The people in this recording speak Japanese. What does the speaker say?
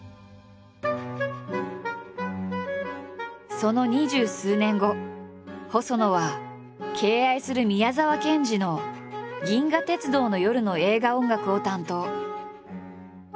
その二十数年後細野は敬愛する宮沢賢治の「銀河鉄道の夜」の映画音楽を担当。